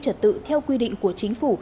trật tự theo quy định của chính phủ